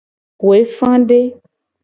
Kuefade.